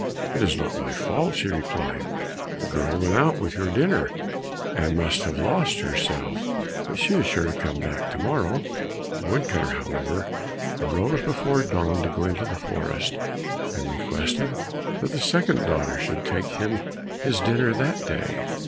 "It is not my fault," she replied, "the girl went out with your dinner, and must have lost herself, but she is sure to come back to morrow." The wood cutter, however, arose before dawn to go into the forest, and requested that the second daughter should take him his dinner that day.